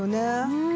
うん。